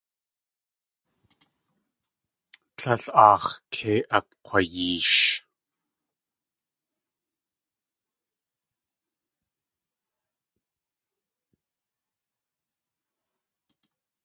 Tlél aax̲ kei akg̲wayeesh.